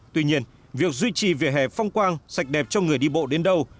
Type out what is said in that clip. tuy nhiên việc duy trì về hè phong quang sạch đẹp cho người đi bộ đến đâu